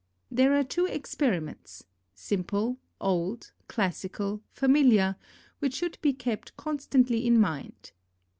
There are two experiments, simple, old, classical, familiar, which should be kept constantly in mind.